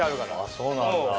あそうなんだ。